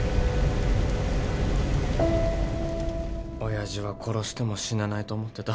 親父は殺しても死なないと思ってた。